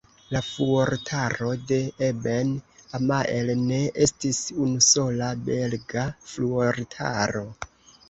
La fuortaro de Eben-Emael ne estis unusola belga fuortaro.